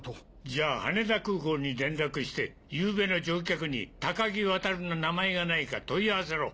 じゃあ羽田空港に連絡して昨夜の乗客にタカギワタルの名前がないか問い合わせろ。